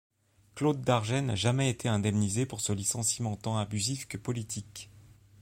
Claude Darget n'a jamais été indemnisé pour ce licenciement tant abusif que politique.